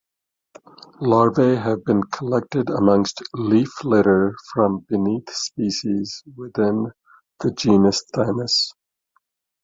Larvae have been collected amongst leaf litter from beneath species within the genus "Thymus".